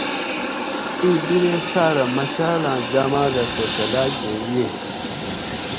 اِیں بِرے ساۤرہ مشالاۤں جاماۤ دہ فیصلاۤ کہ ییئے